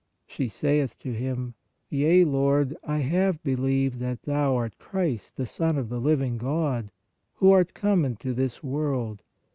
She saith to Him: Yea, Lord, I have believed that Thou art Christ the Son of the living God, who art come into this world.